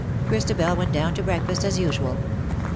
Christabel went down to breakfast as usual.